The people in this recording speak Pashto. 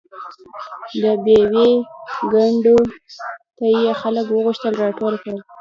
د پېوې کنډو ته یې خلک وغوښتل راټول شي.